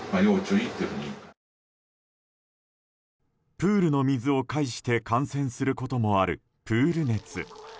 プールの水を介して感染することもあるプール熱。